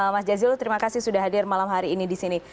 mas jazilul terima kasih sudah hadir malam hari ini di sini